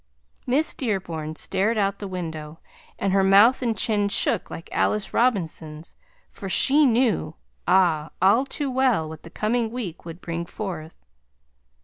Miss Dearborn stared out the window, and her mouth and chin shook like Alice Robinson's, for she knew, ah! all to well, what the coming week would bring forth.